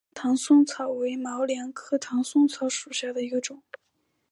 粘唐松草为毛茛科唐松草属下的一个种。